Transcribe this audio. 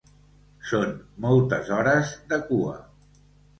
Són moltes hores de cua.